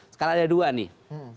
sekarang ada dua nih